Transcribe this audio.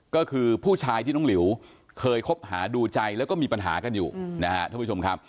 ก็คือผู้ชายที่น้องหลิวเคยคบหาดูใจแล้วก็มีปัญหากันอยู่นะครับท่านผู้ชมครับ